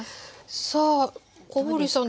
さあ小堀さん